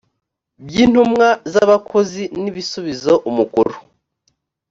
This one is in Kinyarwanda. by intumwa z abakozi n ibisubizo umukuru